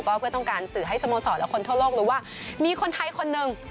ก็เพื่อต้องการสื่อให้สโมสรและคนทั่วโลกรู้ว่ามีคนไทยคนหนึ่ง